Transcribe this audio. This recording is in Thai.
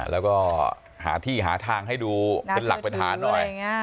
แล้วก็หาที่หาทางให้ดูเป็นหลักเป็นฐานหน่อย